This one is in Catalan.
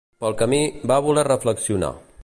Pel camí, va voler reflexionar.